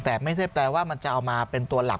แต่ไม่ได้แปลว่ามันจะเอามาเป็นตัวหลัก